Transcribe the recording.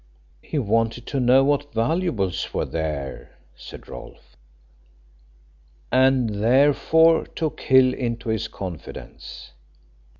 "He wanted to know what valuables were there," said Rolfe. "And therefore took Hill into his confidence.